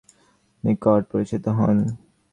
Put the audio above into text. এই শেষোক্ত ব্যক্তিগণই আমাদের নিকট পরিচিত হন।